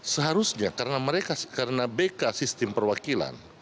seharusnya karena mereka karena bk sistem perwakilan